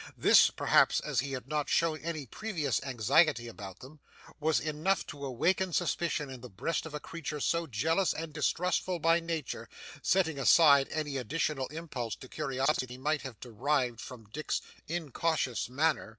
This, perhaps, as he had not shown any previous anxiety about them, was enough to awaken suspicion in the breast of a creature so jealous and distrustful by nature, setting aside any additional impulse to curiosity that he might have derived from Dick's incautious manner.